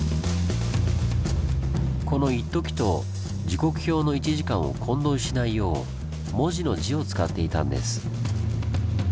この「一時」と時刻表の「一時間」を混同しないよう文字の「字」を使っていたんです。